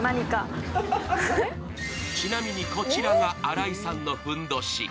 ちなみに、こちらが新井さんのふんどし。